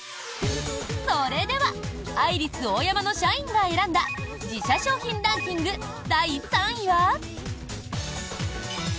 それではアイリスオーヤマの社員が選んだ自社商品ランキング第３位は。